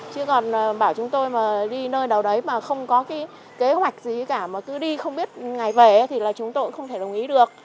chứ còn bảo chúng tôi mà đi nơi nào đấy mà không có cái kế hoạch gì cả mà cứ đi không biết ngày về thì là chúng tôi cũng không thể đồng ý được